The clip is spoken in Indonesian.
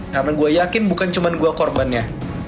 karena gue yakin bukan cuma gue korbannya